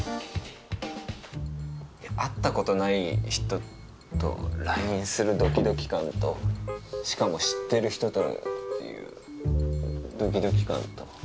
会ったことない人とＬＩＮＥするドキドキ感としかも知ってる人とっていうドキドキ感と。